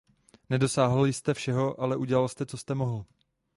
Nedosáhl jste všeho, ale udělal jste, co jste mohl.